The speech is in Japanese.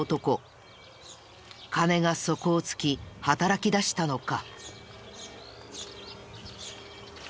金が底を突き働きだしたのか？